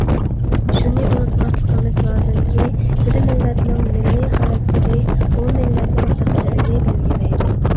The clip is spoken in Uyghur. شۇنى ئۇنتۇماسلىقىمىز لازىمكى، بىر مىللەتنىڭ مىللىي خاراكتېرى ئۇ مىللەتنىڭ تەقدىرىنى بەلگىلەيدۇ.